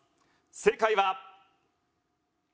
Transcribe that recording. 正解は。